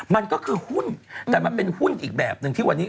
มันก็คือหุ้นแต่มันเป็นหุ้นอีกแบบหนึ่งที่วันนี้